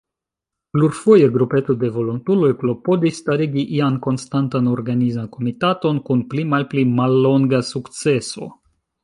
Plurfoje, grupeto de volontuloj klopodis starigi ian konstantan organizan komitaton, kun pli-malpi mallonga sukceso.